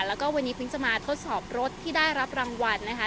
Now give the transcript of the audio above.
แล้วก็วันนี้เพิ่งจะมาทดสอบรถที่ได้รับรางวัลนะคะ